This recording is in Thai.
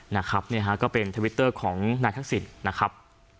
นะครับเนี่ยฮะก็เป็นทวิตเตอร์ของนายทักษิณนะครับ